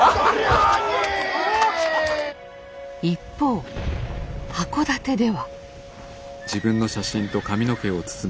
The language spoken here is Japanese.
一方箱館では。